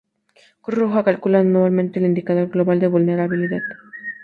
Cruz Roja calcula anualmente el Indicador Global de Vulnerabilidad.